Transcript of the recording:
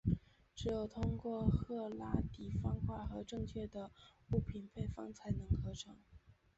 只有通过赫拉迪方块和正确的物品配方才能合成。